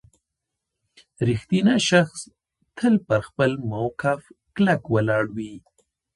• رښتینی شخص تل پر خپل موقف کلک ولاړ وي.